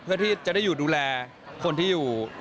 เพื่อที่จะได้อยู่ดูแลคนที่อยู่